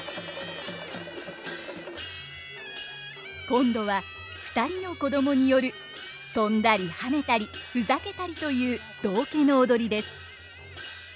今度は２人の子供による跳んだりはねたりふざけたりという道化の踊りです。